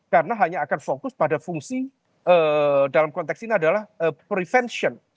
karena hanya akan fokus pada fungsi dalam konteks ini adalah prevention